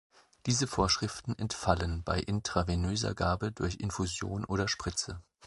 Diese Vorschriften entfallen bei intravenöser Gabe durch Infusion oder Spritze.